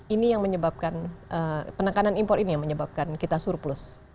ini yang menyebabkan penekanan impor ini yang menyebabkan kita surplus